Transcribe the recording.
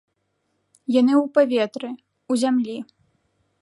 Яны ў паветры, у зямлі.